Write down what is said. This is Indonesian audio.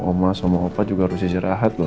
oma opa juga harus istirahat loh